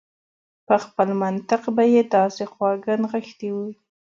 په خپل منطق به يې داسې خواږه نغښتي و.